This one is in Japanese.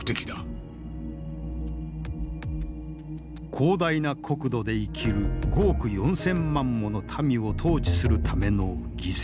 広大な国土で生きる５億４，０００万もの民を統治するための犠牲。